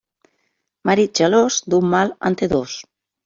Marit gelós, d'un mal en té dos.